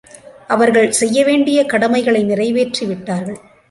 அவர்கள் செய்ய வேண்டிய கடமைகளை நிறைவேற்றி விட்டார்கள்.